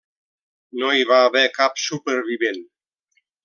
No hi va haver cap supervivent.